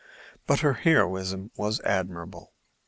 But her heroism was admirable.